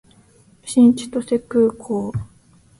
新千歳空港